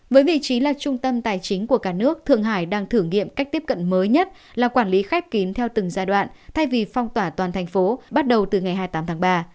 với vị trí là trung tâm tài chính của cả nước thượng hải đang thử nghiệm cách tiếp cận mới nhất là quản lý khép kín theo từng giai đoạn thay vì phong tỏa toàn thành phố bắt đầu từ ngày hai mươi tám tháng ba